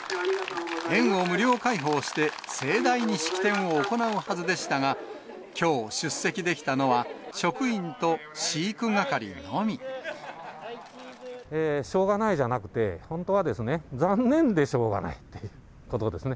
園を無料開放して、盛大に式典を行うはずでしたが、きょう、しょうがないじゃなくて、本当はですね、残念でしょうがないっていうことですね。